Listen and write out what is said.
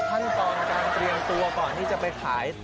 ขั้นตอนการเตรียมตัวก่อนที่จะไปขาย